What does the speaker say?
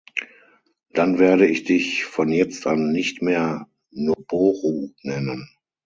Dann werde ich dich von jetzt an nicht mehr Noboru nennen.